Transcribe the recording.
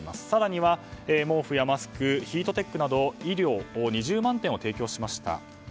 更には毛布やマスク、ヒートテックなど衣料２０万点を提供しました。